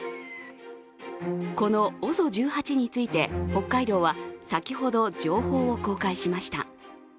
このＯＳＯ１８について、北海道は先ほど情報を公開しました。